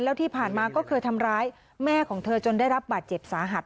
แล้วที่ผ่านมาก็เคยทำร้ายแม่ของเธอจนได้รับบาดเจ็บสาหัส